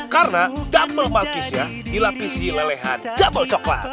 karena double malkisnya dilapisi lelehan double coklat